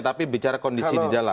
tapi bicara kondisi di dalam